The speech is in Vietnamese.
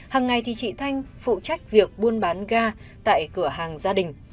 hằng ngày thì chị thanh phụ trách việc buôn bán ga tại cửa hàng gia đình